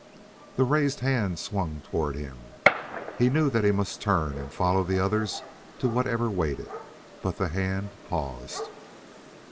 The raised hand swung toward him; he knew that he must turn and follow the others to whatever awaited.... But the hand paused!